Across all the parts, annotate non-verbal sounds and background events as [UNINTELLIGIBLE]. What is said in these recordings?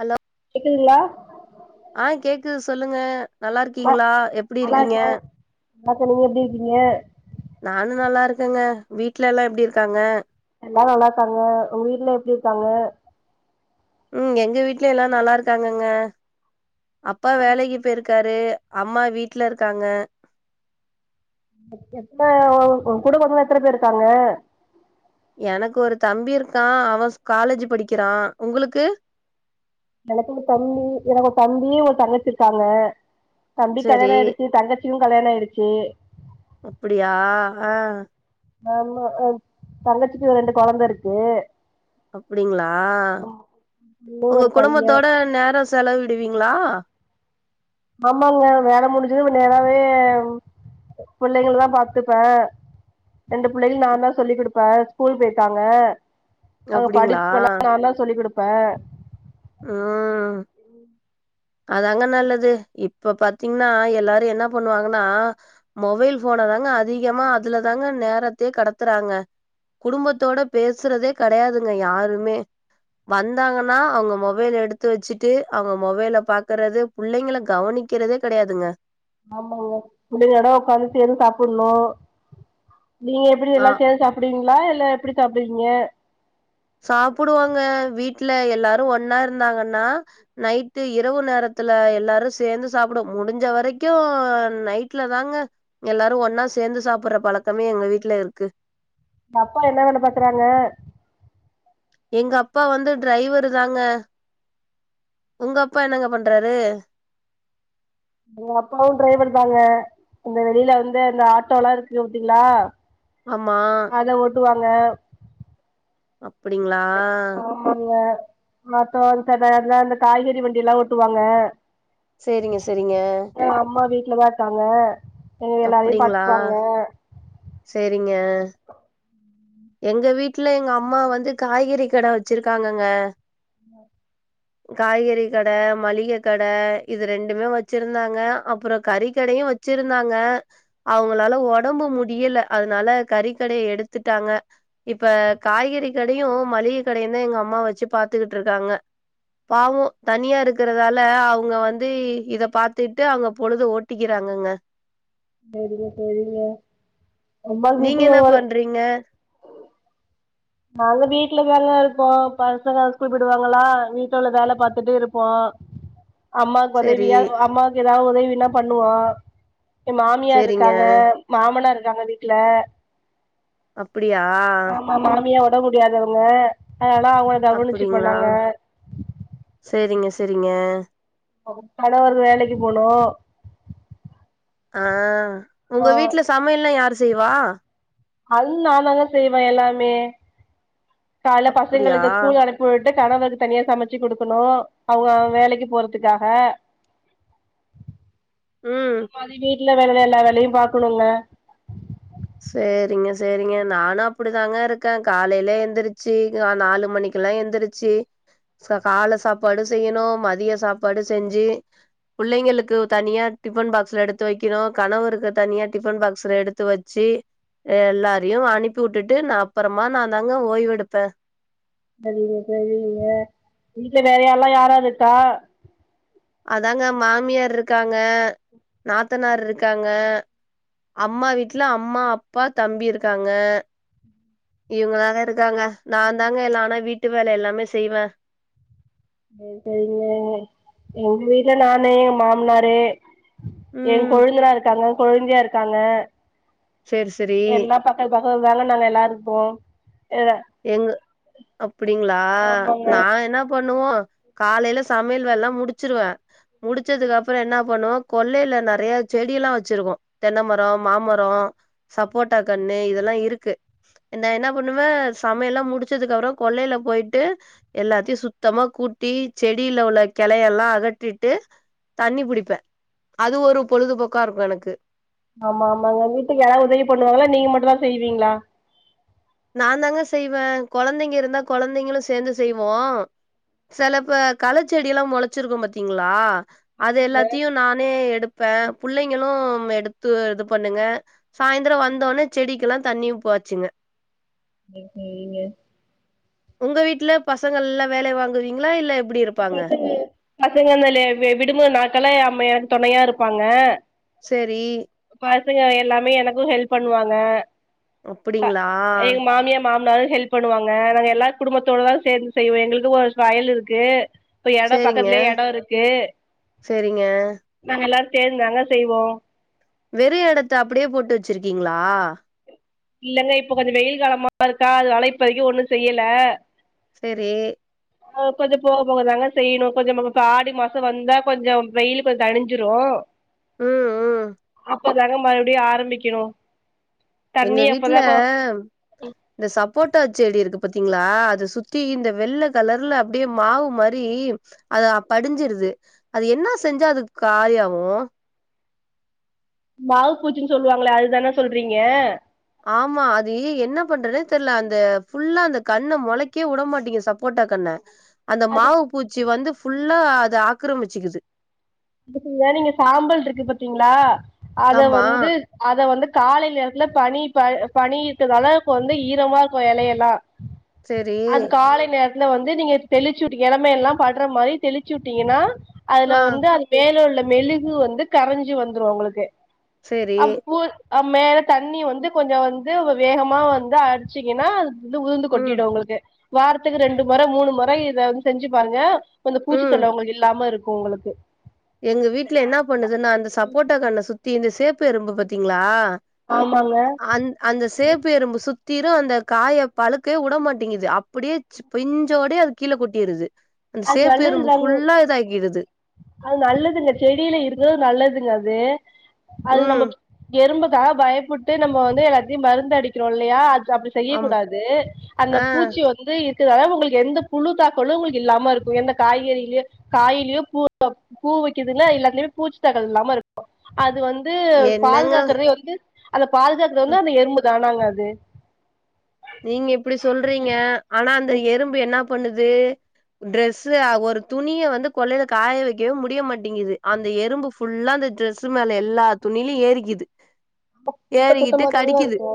hello கிங்ளா ஆ கேக்குது சொல்லுங்க ந நல்லாருக்கீங்ளா நல்லா எப்டியிருக்கீங்க இருக்கே நல்லாருக்கே நீங்க எப்டி இருக்கீங்க நானு நல்லாருக்க இருக்கங்க வீட்லல்லா எப்டிருக்காங்க எல்லா நல்லாருக்காங்க உங்க வீட்ல எப்டியிருக்காங்க ம் எங்க வீட்ல எல்லா நல்லாருக்காங்கங்க அப்பா வேலைக்கு பெயிருக்காரு அம்மா வீட்லருக்காங்க எத்தன உ கூட பொறந்தவங்க எத்தன பேர் இருக்காங்க எனக்கு ஒரு தம்பி இருக்கா அவன் காலேஜ் படிக்கிறா உங்களுக்கு எனக்கு ஒரு தம்பி எனக்கு ஒரு தம்பியு ஒரு தங்கச்சிருக்காங்க தம்பி செரி கல்யாணாயிடிச்சு தங்கச்சி கல்யாண ஆயிடுச்சு அப்டியா ஆ ஆமா தங்கச்சிக்கு ஒரு ரெண்டு கொழந்தருக்கு அப்டிங்களா இன்னு உங்க ஒரு பைய குடும்பத்தோட நேர செலவி டுவிங்களா ஆமாங்க வேல முடிஞ்சது நேராவே பிள்ளைங்களதா பாத்துப்பே ரெண்டு பிள்ளைகளு நா தா சொல்லிக்குடுப்பே ஸ்கூல் பெயிட்டாங்க அவங்க அப்டிங்களா படிப்பெல்லா நா தா சொல்லிக்குடுப்பே ப்ப ம் அதாங்க நல்லது இப்ப பாத்தீங்கன்னா எல்லாரு என்னா பண்ணுவாங்கன்னா மொபைல் ஃபோன தாங்க அதிகமா அதுலதாங்க நேரத்தையே கடத்துறாங்க குடும்பத்தோட பேசுறதே கெடையாதுங்க யாருமே வந்தாங்கன்னா அவங்க மொபைல் எடுத்துவச்சுட்டு அவங்க மொபைல பாக்கறது புள்ளைங்கள கவனிக்கிறதே கெடையாதுங்க ஆமாங்க முடிஞ்சடு உக்காந்து சேந்து சாப்புட்ணு நீங்க எப்டி ஆ எல்லா சேந்து சாப்புடுவீங்களா இல்ல எப்டி சாப்டுவீங்க சாப்புடுவோங்க வீட்ல எல்லாரு ஒன்னாருந்தாங்கன்னா நைட்டு் இரவு நேரத்துல எல்லாரு சேந்து சாப்டுவோ முடிஞ்ச வரைக்கு நைட்லதாங்க எல்லாரு ஒன்னா சேந்து சாப்ட்ற பழக்கமே எங்க வீட்ல இருக்கு உங்க அப்பா என்ன வேல பாக்குறாங்க எங்க அப்பா வந்து டிரைவருதாங்க உங்க அப்பா என்னங்க பண்றாரு எங்க அப்பாவும் டிரைவர்தாங்க இந்த வெளில வந்து அந்த ஆட்டோல்லா இருக்குங்க பாத்தீங்களா ஆமா [UNINTELLIGIBLE] அப்டிங்களா மத்த [UNINTELLIGIBLE] இந்த காய்கறி வண்டியெல்லா ஓட்டுவாங்க சேரிங்க செரிங்க எங்க [UNINTELLIGIBLE] எங்க எல்லாரையு பாத்துப்பாங்க ங்க எங்க வீட்ல எங்க அம்மா வந்து காய்கறி கட வச்சிருக்காங்கங்க [INAUDIBLE] காய்கறி கட மளிக கட இது ரெண்டுமே வச்சிருந்தாங்க அப்ற கறிக்கடையு வச்சிருந்தாங்க அவங்களால ஒடம்பு முடியல அதனால கறிக்கடைய எடுத்துட்டாங்க இப்ப காய்கறி கடையு மளிகை கடையு தா எங்க அம்மா வச்சு பாத்துக்கிட்டுருக்காங்க பாவோ தனியா இருக்கிறதால அவங்க வந்து இத பாத்துட்டு அவங்க பொழுது ஓட்டிக்கிறாங்கங்க செரிங் செரிங்க நீங்க என்ன பண்றிங்க நாங்க வீட்ல தாங்க இருப்போ பசங்க ஸ்கூல் போய்டுவாங்களா வீட்ல உள்ள வேலை பாத்துட்டு இருப்போ அம்மாக்கு செரி உதவியா அம்மாக்கு எதா ஒரு உதவினா பண்ணுவோ எ மாமியார் செரிங்க இருக்காங்க மாமனாரு க்காங்க வீட்ல அப்புடியா இல்ல ஒட முடியாதவுங்க அதனால அவுங்க கவுனிச்சு அப்டிங்களா போனாங்க செரிங்க செரிங்க ஒ கனவர் வேலக்கி போனு ஆ உங்க வீட்ல சமையல்லா யாரு செய்வா அது நாந்தாங்க செய்வ எல்லாமே கால்ல அப்டியா பசங்ளுக்கு ஸ்கூல் அனுப்பி உட்டுட் கணவரு தனியா சமச்சு குடுக்கணு அவ்ங்க வேலக்கி போறதுக்காக ம் அப்ற மதிமி இல்ல வேற வேல எல்லா வேலயு பாக்குணுங்க சேரிங்க சேரிங்க நானு அப்புடிதாங்க இருக்க காலைல எந்துரிச்சு நாலு மணிக்குலா எந்துரிச்சு ச கால சாப்பாடு செய்யணு மதிய சாப்பாடு செஞ்சு புள்ளைங்களுக்கு தனியா டிஃபன் பாக்ஸ்ல எடுத்து வைக்கணு கணவருக்கு தனியா டிஃபன் பாக்ஸ்ல எடுத்து வச் ச்சி எல்லாரையு அனுப்பி உட்டுட்டு நா அப்பறமா நாதாங்க ஓய்வெடுப்ப சரிங்க சரிங்க வீட்ல வேற யார்லா யாராருக்கா அதாங்க மாமியார் ருக்காங்க நாத்தனார் இருக்காங்க அம்மா வீட்ல அம்மா அப்பா தம்பி இருக்காங்க இவங்ளாதா இருக்காங்க நாந்தாங்க எல்லா ஆனா வீட் ட்டு வேல எல்லாமே செய்வ அ செரிங்க எங் வீட்ல நாணு எங் மாம்னாரு எ ம் கொழுந்தனாருக்காங்க கொழுந்தியா இருக்காங்க சேர் செரி மேல நாங்க எல்லார்ருப்போ எங்கு அப்புடிங்ளா ஆமாங்க நா என்னா பண்ணுவோ காலைல சம்யல் வேலலா முடிச்சிருவ முடிச்சதுக்கு அப்ற என்னா பண்ணுவ கொள்ளைல நெறைய செடியல்லா வச்சிருக்கோ தென்னமரோ மாமரோ சப்போட்டா கண்ணு இதல்லா இருக்கு நா என்னா பண்ணுவ சமையல்லா முடிச்சதுக்கு அப்ற கொள்ளையில போய்ட்டு எல்லாத்யு சுத்தமா கூட்டி செடில உள்ள கெளை எல்லா அகட்டிட்டு தண்ணி புடிப்பே அது ஒரு பொழுதுபோக்காருக்கு எனக்கு ஆமா ஆமாங்க வீட்டுக்கு யாராவ்து உதவி பண்ணுவாங்ளா நீங்க மட்டு தா செய்வீங்ளா நாந்தாங்க செய்வ கொழந்தைங்க இருந்தா கொழந்தைங்களு சேந்து செய்வோ செலப்ப களச்செடிய எல்லா முளைச்சிருக்கு பாத்தீங்களா அது ஆமாங்க எல்லாத்தையும் நானே எடுப்ப புள்ளைங்களு எடுத்து இது பண்ணுங்க சாயந்தரம் வந்தோடனே செடிக்க எல்லா தண்ணி உ பாச்சுங்க [UNINTELLIGIBLE] உங்க வீட்ல பசங்க எல்லா வேலை வாங்குவீங்களா இல்ல எப்பிடி இருப்பாங்க பசங்க பசங்க அந்த விடுமு நாக்கல அம்ம எனக்கு துணையா இருப்பாங்க செரி பசங்க எல்லாமே எனக்கு ஹெல்ப் பண்ணுவாங்க ப அப்டிங்களா எங்க மாமியா மாமனாரு ஹெல்ப் பண்ணுவாங்க நாங்க எல்லா குடும்பத்தோடதா சேந்து செய்வோ எங்களுக்கு ஒரு வயல் இருக்கு இப்ப எடம் சேரிங்க பக்கத்துலயே எடம் இருக்கு சேரிங்க நாங்க எல்லா சேர்ந்தாங்க செய்வோ வெறு எடத்த அப்டியே போட்டு வெச்சிருக்கீங்களா ஆஹ் இல்லங்க இப்ப கொஞ்சோ வெயில் காலமா இருக்கா அதுனால இப்போதைக்கு ஒண்ணு செய்யல சேரி கொஞ்சோ போக போகதாங்க செய்யணு கொஞ்சோ ஆடி மாசம் வந்தா கொஞ்சோ வெயில் கொஞ்சோ தனிஞ்சிரும் உஹம் உஹம் இப்ப தங்க மறுபடியு ஆரம்பிக்கணு எங்க தண்ணி வீட்ல அப்பதா கொ இந்த சப்போட்டா செடி இருக்கு பாத்தீங்களா அத சுத்தி இந்த வெள்ள கலர்ல அப்டியே மாவு மாதிரி அத படிஞ்சிருது அது என்ன செஞ்சா அதுக்கு காலாவும் மாவு பூச்சுன்னு சொல்லுவாங்களே அதுதானே சொல்றீங்க ஆமா அது என்ன பண்றேனே தெரில அந்த ஃபுல்லா அந்த கண்ணு முளைக்கே உடமாட்டீங்க சப்போர்ட்டா கண்ண அந்த மாவு பூச்சி வந்து ஃபுல் நல்ல அது ஆக்கிரமிச்சுக்குச்சு நீங்க சாம்பல் இருக்கு பாத்தீங்களா அத ஆமா வந்து அத வந்து காலை நேரத்துல பனி ப பனியிட்டதால இப்ப வந்து ஈரமா இருக்கு எலையெல்லா செரி அது காலை நேர வந்து நீங்க தெளிச்சு விட் எளமேல எல்லா படுற மாரி தெளிச்சு விட்டீங்கன்னா அதுல ஆ வந்து அது மேல உள்ள மெழுகு வந்து கரஞ்சு வந்துரு உங்களுக்கு செரி அ போ அ மேல தண்ணி வந்து கொஞ்சோ வந்து வேகமா வந்து அடிச்சிங்கன்னா வந்து உதிர்ந்து ம் கொட்டிடு உங்களுக்கு வாரத்துக்கு ரெண்டு மெற மூணு மெற இத வந்து செஞ்சு பாருங்க கொஞ்சோ பூச்சி ம் தெள்ள உங்களுக்கு இல்லாம இருக்கு இருக்கு உங்களுக்கு எங்க வீட்ல என்னா பண்ணுதுன்னா அந்த சப்போட்டாக்கன்ன சுத் தி இந்த சேப்பு எறும்பு பாத்தீங்ளா ஆமாங்க அந் அந்த சேப்பு எறும்பு சுத் த்திரு அந்த காய பழுக்கவே உடமாட்டிங்குது அப்படியே ச்சு பிஞ்சோடு அது கீழ கொட்டிருது அந்த அது சேப்பு எறும்பு நல்லதுதாங்க ஃபுல்லா இதாக்கிடுது நல்லதுங்க ங்க செடில இருந்தா அது நல்லதுங்க அது அது நம்ம ம் எறும்ப தா பயப்பட்டு நம்ம வந்து எல்லாத்தியு மருந்து அடிக்கிறோ இல்லையா அப்டி ஆமா செய்யக்கூடாது அந்த ஆ பூச்சிய வந்து [UNINTELLIGIBLE] உங்களுக் எந்த புழு தாக்கலு உங்களுக் இல்லாம இருக்கு எந்த காய்கறிலயு காயிலயு [INAUDIBLE] பூ வெக்குதுல்ல எல்லாத்துலயுமே பூச்சி தாக்கல் இல்லாம இருக்கு அ து வந்து என்னங்க பாதுகாக்கறதே வந்து அந்த பாதுகாக்கறது வந்து ம் அந்த எறும்பு தா நாங் அது நீங்க இப்டி சொல்றீங்க ஆனா அந்த எறும்பு என்னா பண்ணுது ட்ரெஸ்ல ஒரு துணிய வந்து கொள்ளைல காய வெக்கவே முடிய மாட்டிங்குது அந்த எறும்பு ஃபுல்லா அந்த ட்ரெஸ் மேல எல்லா துணியிலு ஏறிக்குது ஆமா கூட்ட ஏறிக்கிட்டு கூட்டமா தாங்க கடிக்குது இருக்கு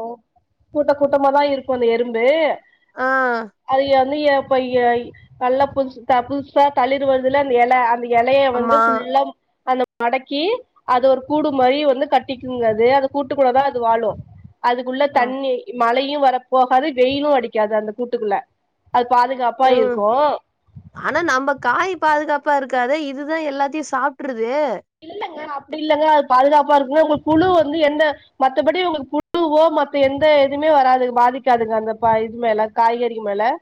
கூட்ட கூட்டமா தா இருக் கு அந்த எறும்பு ஆ அது [UNINTELLIGIBLE] ஏப்பையாயி நல்லா புதுசு த புதுசா தளிர் வர்துல அந்த எல அந்த எலைய வந்து ஆமா ஃபுல்லா அந்த மடக்கி அது ஒரு கூடு மாரி வந்து கட்டிக்குங் அது அத கூட்டுக்குள்ள தா அது வாழு அதுக்குள்ள ஆ தண்ணி மழை யு வரப் போகாது வெயிலு அடிக்காது அந்த கூட்டுக்குள்ள அது பாதுகாப்பா உம் இருக்கு ஆனா நம்ம காய் பாதுகாப் பா இருக்காதே இதுதா எல்லாத்தியு சாப்ட்ரு இல்லங்க அப்டி இல்லங்க அது பாதுகாப்பா இருக்குங்க உங்களுக் புழு வந்து எந்த மத்தபடி உங்களுக்கு புழுவோ மத்த எந்த எதுவுமே வராது பாதிக்காதுங்க அந்த பா இது மேல காய்கறி மேல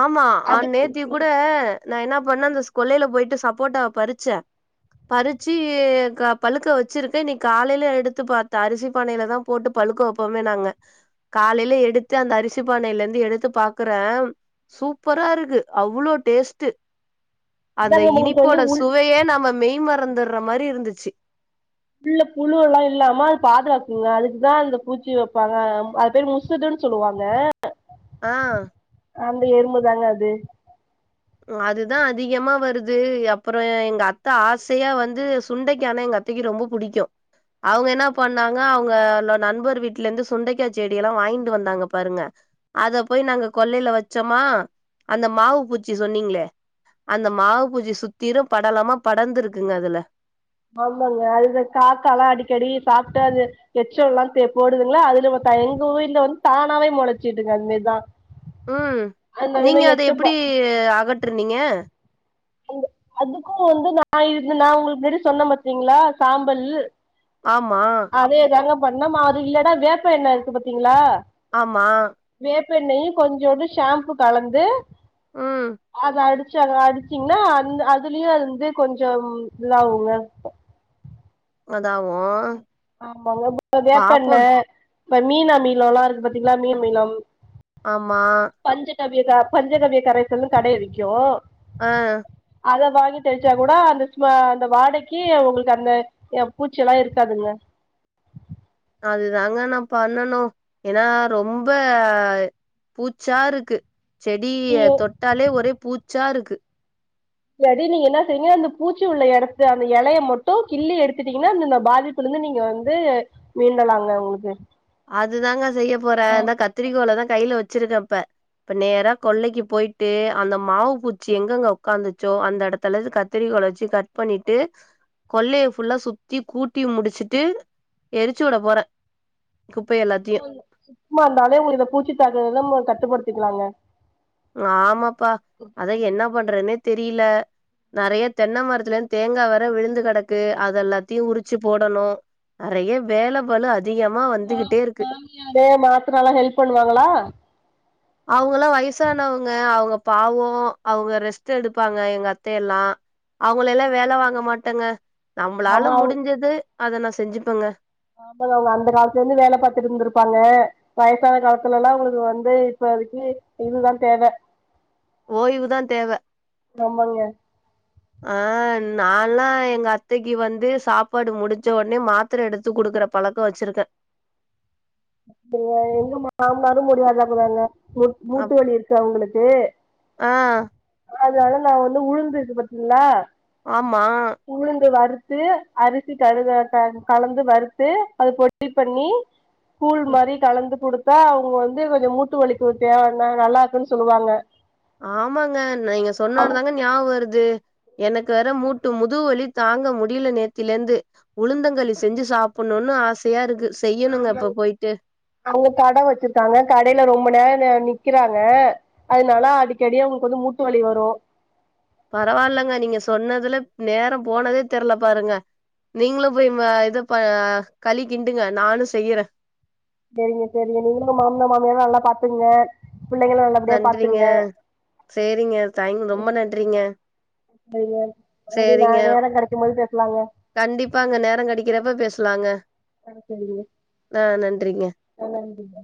ஆமா ஆஹ் அதுக்கு நேத்திக் கூட நா என்னா பண்ணே அந்த ஸ் கொள்ளைல போய்ட்டு சப்போட்ட பறிச்சே பறிச்சு க பழுக்க வெச்சிருக்கே இன்னிக் காலைல எடுத்து பாத்தா அரிசி பானைல தா போட்டு பழுக்க வெப்போமே நாங்க காலைல எடுத்து அந்த அரிசி பானைலர்ந்து எடுத்து பாக்கறே சூப்பரா இருக்கு அவ்ளோ டேஸ்ட்டு அந்த இதாங்க உங்களுக்கு இனிப்போட வந்து உள் சுவையே நம்ம மெய்ம றந்துடுற மாரி இருந்துச்சு உள்ள புழுவெல்லா இல்லாம அது பாதுகாக்குங்க அதுக்கு தா அந்த பூச்சி வெப்பாங்க அது பேரு முசுதுன் சொல்லுவாங்க ஆ அந்த எறும்புதாங்க அது அதுதா அதிகமா வருது அப்புற எங்க அத்த ஆசையா வந்து சுண்டைக்கானா எங்க அத்தைக்கு ரொம்ப பிடிக்கு அவங்க என்ன பண்ணாங்க அவங்க நண்பர் வீட்டுல இருந்து சுண்டைக்காய் செடி எல்லா வாங்கிட்டு வந்தாங்க பாருங்க அத போய் நாங்க கொள்ளையில வச்சோமா அந்த மாவு பூச்சி சொன்னிங்ளே அந்த மாவு பூச்சி சுத்திரு படலமா படந்துருக்குங்க அதுல ஆமாங்க அது காக்க எல்லா அடிக்கடி சாப்ட்டு அது எச்ச எல்லா தெ போடுதுங்ளா அதுல த எங்க வீட்ல வந்து தானாவே மொளைச்சுதுங்க அதுமேதா ம் நீங்க அத எப்படி அக ற்றுனிங்க அ அதுக்கு வந்து நா இதுக்கு நா உங்ளுக்கு முன்னாடி சொன்னம் பாத்திங்ளா சாம்பல் ஆமா பண்ணம அது இல்லடா வேப்ப எண்ணெ இருக்கு பாத்திங்ளா ஆமா ப்பெண்ணெயு கொஞ்சூண்டு ஷேம்ப்பு கலந்து ம் அத அடுச்சு அத அடி ச்சிங்னா அந் அதுலயு அது வந்து கொஞ்சம் இதாகுங்க அதாவு ஆமாங்க வேப்பெண்ணெ பாப்போம் இப்ப மீனா மீள எல்லா இருக்கு பாத்திங்ளா மீன் மிளம் ஆமா [UNINTELLIGIBLE] கரைச்சலு கடைல விக்கு ஆ அத வாங்கி தெளிச்சா கூட அந்தஸ் ம அந்த வாடைக்கி உங்களுக்கு அந்த ஏ பூச்சி எல்லா இருக் க்காதுங்க அது தாங்க நா பண்ணணு ஏன்னா ரொம்ப பூச்சாருக்கு செடிய நீங்க தொட்டாலே ஒரே பூச் சாருக்கு இல்லாடி நீங்க என்னா செய்ங்க அந்த பூச்சி உள்ள எடத்த அந்த எலைய மட்டும் கிள்ளி எடுத்துட்டீங்கன்னா அந்தந்த பாதிப்புலந்து நீங்க வந்து மீண்டலாங்க உங்களுக்கு அதுதாங்க செய்ய போற அதா கத்திரிக்கோல தா கையில வச் ச்சிருக்கப்ப இப்ப நேரா கொள்ளைக்கி போயிட்டு அந்த மாவு பூச்சி எங்கெங்க உக்காந்துச்சோ அந்த எடத்துல இது கத்திர கோல வச்சு கட் பண்ணிட்டு கொள்ளைய ஃபுல்லா சுத்தி கூட்டி முடிச்சுட்டு எரிச்சு உட போறே [UNINTELLIGIBLE] சுத்தமா இருந்தாலே உங்களுக் இந்த பூச்சி தாக்குறத ம கட்டுப்படுத் திக்லாங்க ம் ஆமாப்பா அதா என்னா பண்றதுன்னேத் தெரியில நறைய தென்ன மரத்துலந்து தேங்கா வர விழுந்து கடக்கு அத எல்லாத்தையும் உரிச்சு போடணும் நறைய வேல பலு அத் பெர் மாத்துனால்லா ஹெல்ப் பண்ணுவாங்களா அவங்கல்லா வயிசானவங்க அவங்க பாவோ அவங்க ரெஸ்ட் எடுப்பாங்க எங்க அத்தைய எல்லா அவங்கள எல்லா வேல வாங்க மாட்டேங்க ஆமா நம்புளால அவங்க முடிஞ்சது அத நா செஞ்சுப்பங்க ஆமாங்க அவங்க அந்த காலத்துல இருந்து வேல பாத்திட்ருந்திருப்பாங்க வயசான காலத்துல எல்லா அவங்களுக்கு வந்து இப்பதைக்கு இதுதா தேவை ஓய்வுதா தேவ ஆமாங்க ஆ நால்லா எங்க அத்தைக்கு வந்து சாப்பாடு முடிச்ச உடனே மாத்திர எடுத்து குடுக்குற பழக்க வெச்சிருக்கே அப்படியா எங்க மாமனாரு முடியாதவங்கதா மு அப் மூட்டுவலி இருக்கு அவுங்களுக்கு ஆ அதனால நா வந்து உளுந்திருக்கு பாத்திங்ளா ஆமா து அரிசி கடுகு க கலந்து வறுத்து அது பொடி பண்ணி கூல் ம் மாரி கலந்து குடுப் ப அவங்க வந்து கொஞ்ச மூட்டு வலிக்கு தேவ ந நல்லா இருக்குன்னு சொல்லுவாங்க ஆமாங்க நீங்க சொன்னன தாங்க ஞாபக வருது எனக்கு வேற மூட்டு முதுகுவலி தாங்க முடியல நேத்திலந்து உளுந்தங்களி செஞ்சு சாப்டணுனு ஆசயா இருக்கு செய்யணுங்க ஆமாங் இப்ப போயிட்டு அவங்க கடை வெச்சிருக்காங்க கடையில ரொம்ப நேர நி நிக்கறாங்க அதனால அடிக்கடி அவங்களுக்கு வந்து மூட்டு வலி வரு பரவால்லங்க நீங்க சொன்னதுல நேரம் போனதே தெர்ல பாருங்க நீங்களு போய் ம இத ப களி கிண்டுங்க நானு செய்யற செரிங்க செரிங்க நீங்களு மாமனா மாமியா எல்லா நல்லா பாத்துக்கங்க நன்றிங்க சேரிங்க தேங் ரொம்ப நன்றிங்க செரிங்க மறுபடி நே சேரிங்க நேரோ கெடைக்கும் போது பேசலாங்க கண்டிப்பாங்க நேரங் கெடைக்கறப்ப பேசலாங்க ஆ நன் அ நன்றிங்க